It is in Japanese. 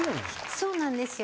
そうなんですよ